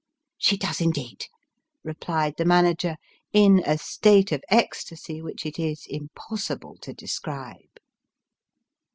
" She does, indeed," replied the manager, in a state of ecstasy which it is impossible to describe.